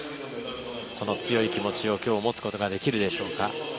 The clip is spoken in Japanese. その強い気持ちを今日持つことができるでしょうか。